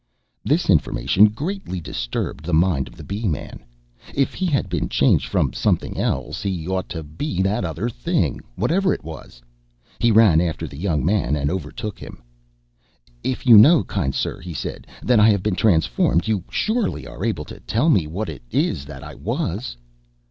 This information greatly disturbed the mind of the Bee man. If he had been changed from something else, he ought to be that other thing, whatever it was. He ran after the young man, and overtook him. "If you know, kind sir," he said, "that I have been transformed, you surely are able to tell me what it is that I was."